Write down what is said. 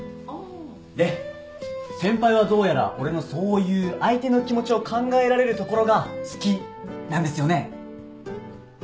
で先輩はどうやら俺のそういう相手の気持ちを考えられるところが好きなんですよね？